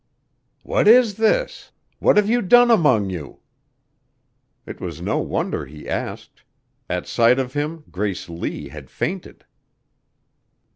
"What is this? What have you done among you?" It was no wonder he asked. At sight of him Grace Lee had fainted.